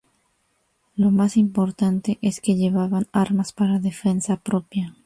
Lo más importante, es que llevaban armas para defensa propia.